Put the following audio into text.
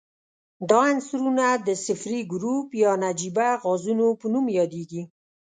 دا عنصرونه د صفري ګروپ یا نجیبه غازونو په نوم یادیږي.